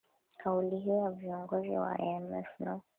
kauli hiyo ya viongozi wa imf ina